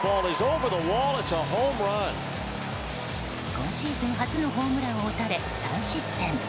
今シーズン初のホームランを打たれ３失点。